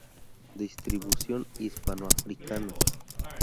Distribución hispano-africana.